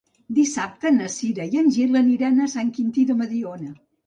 Dissabte na Cira i en Gil aniran a Sant Quintí de Mediona.